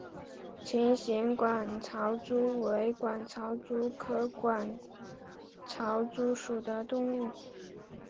琴形管巢蛛为管巢蛛科管巢蛛属的动物。